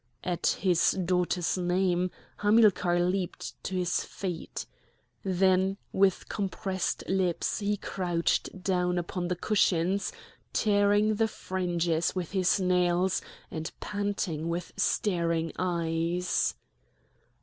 At his daughter's name Hamilcar leaped to his feet. Then with compressed lips he crouched down upon the cushions, tearing the fringes with his nails, and panting with staring eyes.